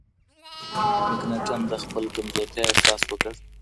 مکناتن د خپل کمزورتیا احساس وکړ.